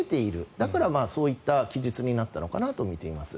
だからそういった記述になったのかなとみています。